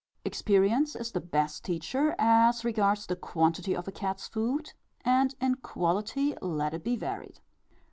Experience is the best teacher as regards the quantity of a cat's food, and in quality let it be varied.